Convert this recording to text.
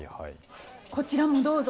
こちらもどうぞ。